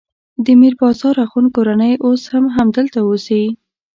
د میر بازار اخوند کورنۍ اوس هم همدلته اوسي.